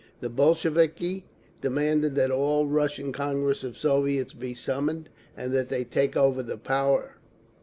The Bolsheviki demanded that the All Russian Congress of Soviets be summoned, and that they take over the power.